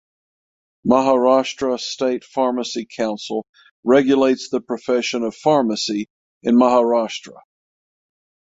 Maharashtra State Pharmacy Council regulates the profession of pharmacy in Maharashtra.